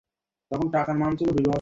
ধরো, সামনে থেকে সরো।